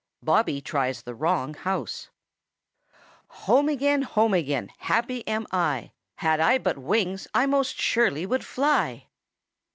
XII. BOBBY TRIES THE WRONG HOUSE "Home again! Home again! Happy am I! Had I but wings I most surely would fly!"